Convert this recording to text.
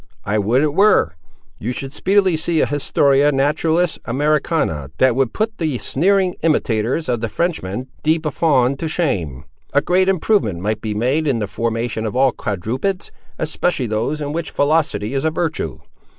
I would it were! You should speedily see a Historia Naturalis Americana, that would put the sneering imitators of the Frenchman, De Buffon, to shame! A great improvement might be made in the formation of all quadrupeds; especially those in which velocity is a virtue.